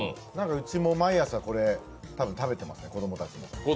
うちも毎朝これ食べてます、子供たちも。